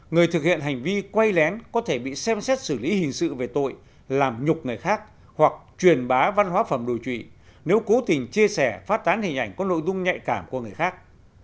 người thực hiện hành vi quay lén có thể bị xem xét xử lý hình sự về tội làm nhục người khác hoặc truyền bá văn hóa phẩm đồi trụy nếu cố tình chia sẻ phát tán hình ảnh có nội dung nhạy cảm của người khác